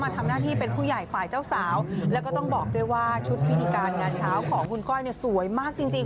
ทำหน้าที่เป็นผู้ใหญ่ฝ่ายเจ้าสาวแล้วก็ต้องบอกด้วยว่าชุดพิธีการงานเช้าของคุณก้อยเนี่ยสวยมากจริงจริง